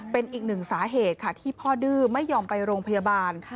เป็นอีกหนึ่งสาเหตุค่ะที่พ่อดื้อไม่ยอมไปโรงพยาบาล